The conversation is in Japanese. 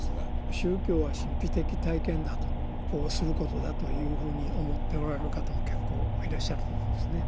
宗教は神秘的体験だとをすることだというふうに思っておられる方も結構いらっしゃると思うんですね。